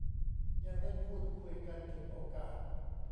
ยังได้พูดคุยกันถึงโอกาส